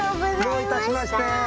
どういたしまして。